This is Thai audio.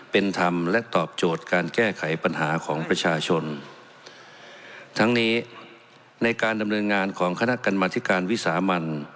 เป็นธรรมและตอบโจทย์การแก้ไขปัญหาของประชาชนทั้งนี้ในการดำเนินงานของคณะกรรมธิการวิสามัน